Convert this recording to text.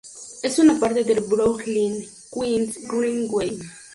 Es una parte del Brooklyn-Queens Greenway.